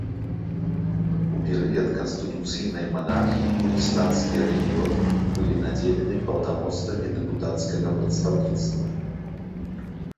У перыяд канстытуцыйнай манархіі курдыстанскія рэгіёны былі надзелены паўнамоцтвамі дэпутацкага прадстаўніцтва.